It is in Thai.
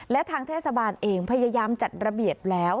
และทางเทศบาลเองพยายามจัดระเบียบแล้ว